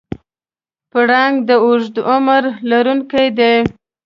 پړانګ د اوږده عمر لرونکی دی.